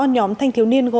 nhóm thanh thiếu năng